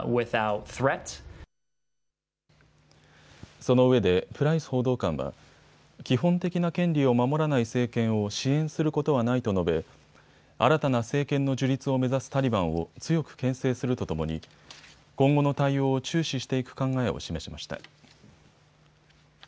そのうえでプライス報道官は基本的な権利を守らない政権を支援することはないと述べ新たな政権の樹立を目指すタリバンを強くけん制するとともに今後の対応を注視していく考えを示しました。